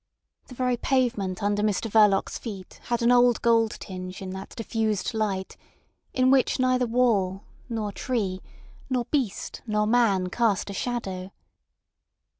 The very pavement under Mr Verloc's feet had an old gold tinge in that diffused light, in which neither wall, nor tree, nor beast, nor man cast a shadow.